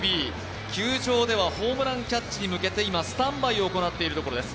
球場では、ホームランキャッチに向けて今、スタンバイを行っているところです。